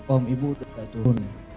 om ibu sudah turun